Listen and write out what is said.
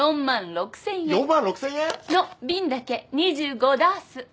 ４万６，０００円！？の瓶だけ２５ダース。